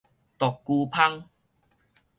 獨居蜂